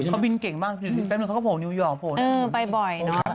เขาบินเก่งบ้าง